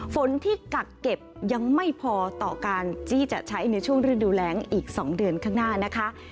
ฝนที่กักเก็บยังไม่พอต่อการที่จะใช้ในช่วงฤดูแรงอีก๒เดือนข้างหน้านะคะ